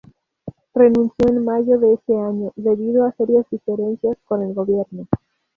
Renunció en mayo de ese año, debido a serias diferencias con el gobierno.